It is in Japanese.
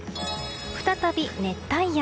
再び熱帯夜。